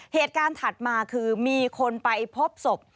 เหตุการณ์ถัดมาคือมีคนไปพบศพ